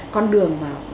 con đường mà